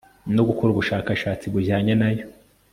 no gukora ubushakashatsi bujyanye nayo